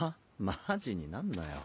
マジになんなよ。